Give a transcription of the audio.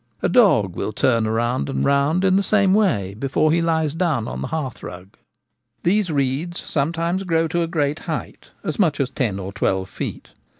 75 A dog will turn round and round in the same way before he lies down on the hearthrug. These reeds sometimes grow to a great height, as much as ten or twelve feet.